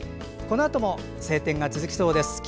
このあとも晴天が続きそうです。